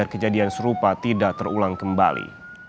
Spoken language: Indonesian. kejadian serupa tidak terulang kembali